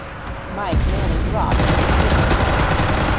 Mike nearly dropped the receiver.